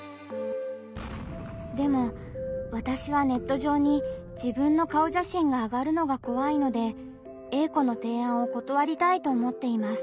でもわたしはネット上に自分の顔写真があがるのが怖いのでＡ子の提案を断りたいと思っています。